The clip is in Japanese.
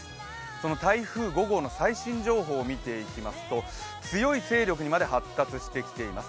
その台風５号の最新情報を見ていくと強い勢力にまで発達してきています。